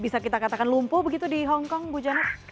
bisa kita katakan lumpuh begitu di hongkong bu janet